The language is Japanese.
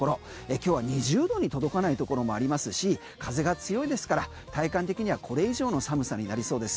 今日は２０度に届かないところもありますし、風が強いですから体感的にはこれ以上の寒さになりそうです。